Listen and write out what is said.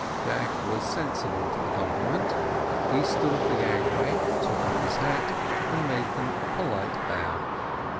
Jack was sensible to the compliment: he stood at the gangway, took off his hat, and made them a polite bow.